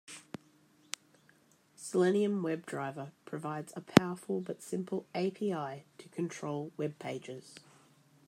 Selenium WebDriver provides a powerful but simple API to control webpages.